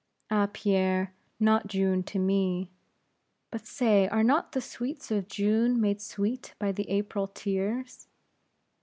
"Ah Pierre! not June to me. But say, are not the sweets of June made sweet by the April tears?"